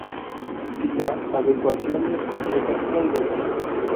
Si la adecuación no es completa no hay delito.